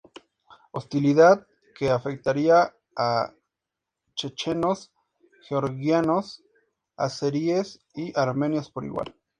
Hostilidad que afectaría a chechenos, georgianos, azeríes y armenios por igual.